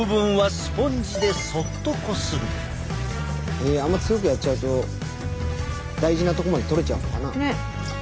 まずあんま強くやっちゃうと大事なとこまで取れちゃうのかな。